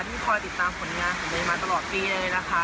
ที่คอยติดตามผลงานของเมย์มาตลอดปีเลยนะคะ